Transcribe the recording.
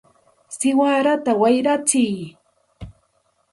¡siwarata wayratsiy!